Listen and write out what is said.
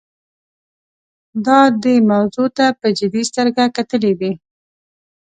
دا دې موضوع ته په جدي سترګه کتلي دي.